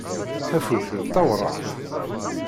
Tafukt d tawraɣt.